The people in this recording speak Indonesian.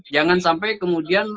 jangan sampai kemudian